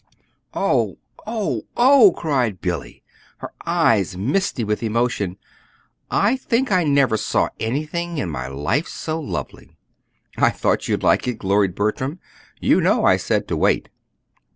"Oh, oh, oh!" cried Billy, her eyes misty with emotion. "I think I never saw anything in my life so lovely! "I thought you'd like it," gloried Bertram. "You know I said to wait!"